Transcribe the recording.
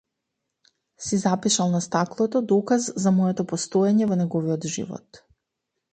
Си запишал на стаклото, доказ за моето постоење во неговиот живот.